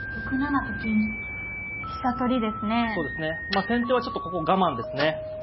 まあ先手はちょっとここ我慢ですね。